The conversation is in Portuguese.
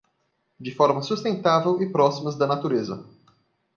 de forma sustentável e próximas da natureza.